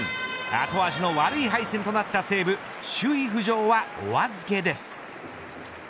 後味の悪い敗戦となった西武首位浮上は、お預けです。